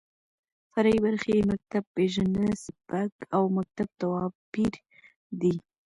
فرعي برخې يې مکتب پېژنده، سبک او مکتب تواپېر دى.